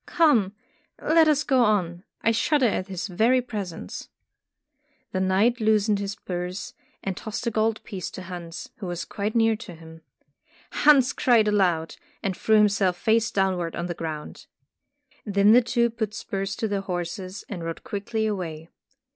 Come, let us go on, I shudder at his very presence.'' The knight loosened his purse, and tossed a gold piece to Hans, who was quite near to him. Hans cried aloud, and threw himself face downward on the ground. Then the two put spurs to their horses and rode quickly away.